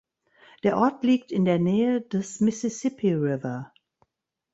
Der Ort liegt in der Nähe des Mississippi River.